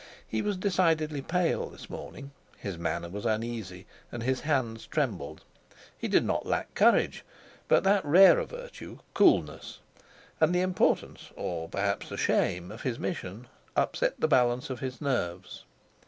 He was decidedly pale this morning; his manner was uneasy, and his hands trembled. He did not lack courage, but that rarer virtue, coolness; and the importance or perhaps the shame of his mission upset the balance of his nerves.